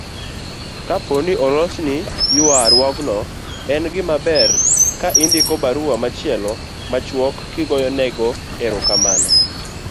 Kapo ni olosni ywaruokno, en gimaber ka indiko barua machielo machuok kigoyonego erokamano